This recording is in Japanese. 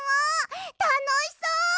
たのしそう！